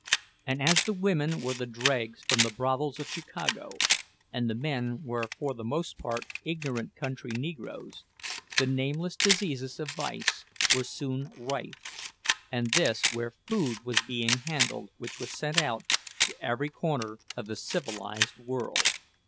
And as the women were the dregs from the brothels of Chicago, and the men were for the most part ignorant country Negroes, the nameless diseases of vice were soon rife; and this where food was being handled which was sent out to every corner of the civilized world.